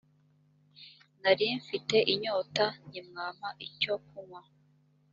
nari mfite inyota ntimwampa icyo kunywa